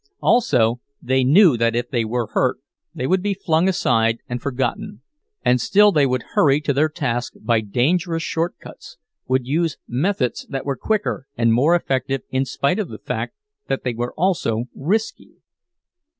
Also they knew that if they were hurt they would be flung aside and forgotten—and still they would hurry to their task by dangerous short cuts, would use methods that were quicker and more effective in spite of the fact that they were also risky.